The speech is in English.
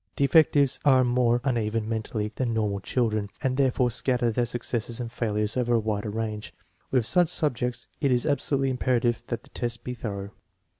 Defectives are more uneven mentally than normal children, and therefore scatter their successes and failures over a wider range. With such sub jects it is absolutely imperative that the test be thorough.